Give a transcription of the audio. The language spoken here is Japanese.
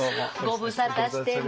ご無沙汰してます。